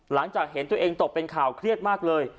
หลังจากเห็นตัวเองตกเป็นข่าวเครียดมากเลย